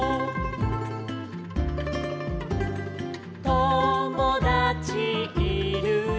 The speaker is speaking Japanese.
「ともだちいるよ」